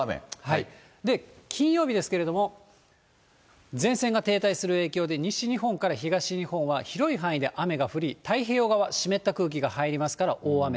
で、金曜日ですけれども、前線が停滞する影響で、西日本から東日本は広い範囲で雨が降り、太平洋側、湿った空気が入りますから、大雨。